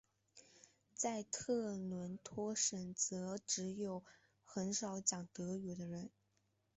在特伦托省则只有很少讲德语的人。